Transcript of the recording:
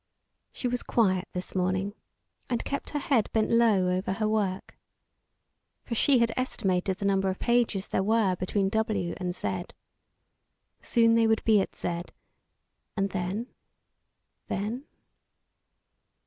She was quiet this morning, and kept her head bent low over her work. For she had estimated the number of pages there were between W and Z. Soon they would be at Z; and then? Then?